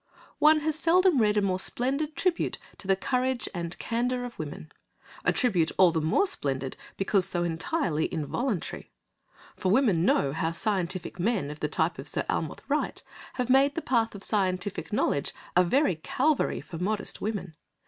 One has seldom read a more splendid tribute to the courage and candour of women,—a tribute all the more splendid because so entirely involuntary,—for women know how scientific men of the type of Sir Almroth Wright have made the path of scientific knowledge a very Calvary for modest women.